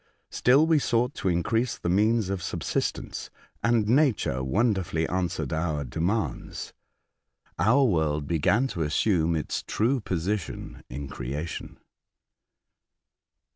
Still we sought to increase the means of subsistence, and nature wonderfully answered our demands. Our world began to assume its true position in creation."